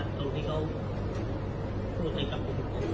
ผมก็จะเอาแสดง